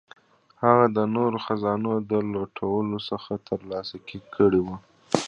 هغه د نورو خزانو د لوټلو څخه ترلاسه کړي وه.